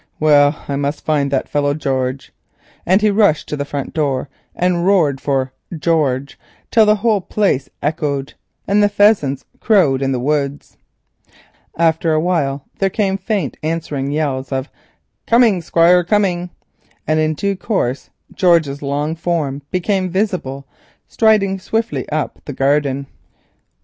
Well, I must find that fellow George," and he rushed to the front door and roared for "George," till the whole place echoed and the pheasants crowed in the woods. After a while there came faint answering yells of "Coming, Squire, coming," and in due course George's long form became visible, striding swiftly up the garden.